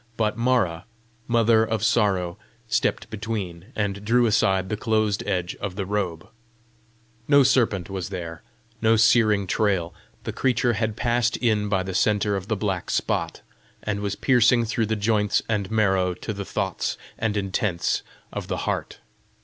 But Mara, Mother of Sorrow, stepped between, and drew aside the closed edges of the robe: no serpent was there no searing trail; the creature had passed in by the centre of the black spot, and was piercing through the joints and marrow to the thoughts and intents of the heart.